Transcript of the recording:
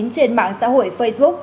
trên mạng xã hội facebook